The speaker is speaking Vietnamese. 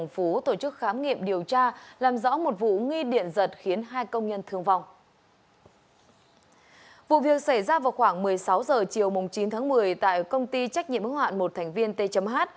vụ việc xảy ra vào khoảng một mươi sáu h chiều chín một mươi tại công ty trách nhiệm ứng hoạn một thành viên t h